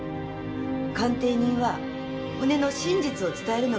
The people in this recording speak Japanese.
鑑定人は骨の真実を伝えるのが役目です。